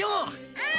うん！